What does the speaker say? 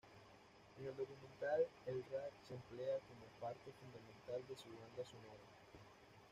En el documental el Rap se emplea como parte fundamental de su banda sonora.